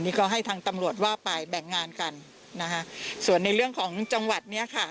นี่ก็ให้ทางตำรวจว่าไปแบ่งงานกันนะคะส่วนในเรื่องของจังหวัดเนี้ยค่ะ